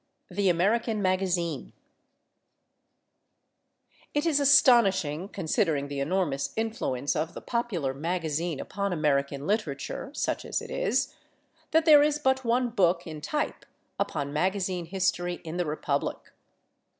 THE AMERICAN MAGAZINE It is astonishing, considering the enormous influence of the popular magazine upon American literature, such as it is, that there is but one book in type upon magazine history in the republic.